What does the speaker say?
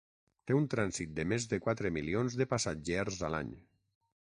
Té un trànsit de més de quatre milions de passatgers a l'any.